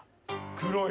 黒い。